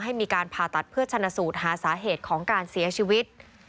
ให้มีการผ่าตัดเพื่อชนะสูตรหาสาเหตุของการเสียชีวิต